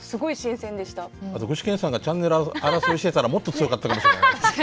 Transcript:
あと具志堅さんがチャンネル争いしてたらもっと強かったかもしれない。